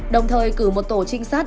đồng thời cử một tổ trinh sát